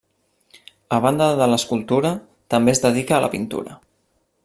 A banda de l'escultura, també es dedica a la pintura.